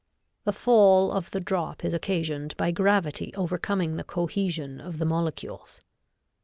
The fall of the drop is occasioned by gravity overcoming the cohesion of the molecules.